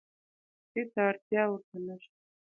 هېڅ اړتیا ورته نشته.